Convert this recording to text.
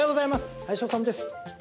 林修です。